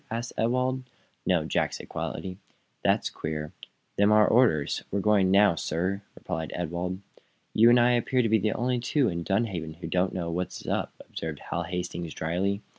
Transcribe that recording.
asked Ewald. "No," said Jack, quietly. "That's queer. Them's our orders. We're going now, sir," replied Ewald. "You and I appear to be the only two in Dunhaven who don't know what is up," observed Hal Hastings, dryly.